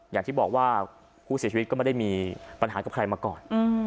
อย่างที่บอกว่าผู้เสียชีวิตก็ไม่ได้มีปัญหากับใครมาก่อน